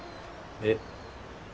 えっ。